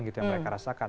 gitu yang mereka rasakan